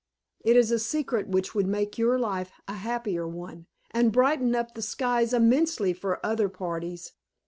It is a secret which would make your life a happier one, and brighten up the skies immensely for other parties.